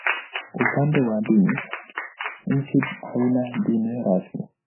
Upande wa dini, nchi haina dini rasmi.